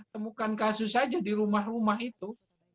temukan kasus saja di rumah rumah itu